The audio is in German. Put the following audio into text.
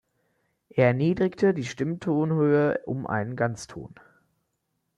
Er erniedrigte die Stimmtonhöhe um einen Ganzton.